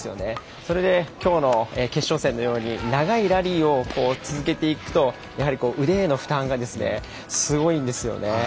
それできょうの決勝戦のように長いラリーを続けていくと腕への負担がすごいんですよね。